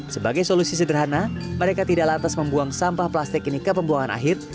sebagai solusi sederhana mereka tidak lantas membuang sampah plastik ini ke pembuangan akhir